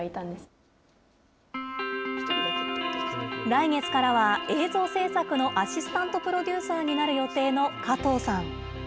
来月からは映像制作のアシスタントプロデューサーになる予定の加藤さん。